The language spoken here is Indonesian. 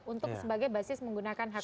untuk sebagai basis menggunakan hak pilih